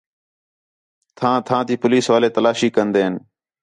تھاں، تھاں تی پولیس والے تلاشی کندے ہین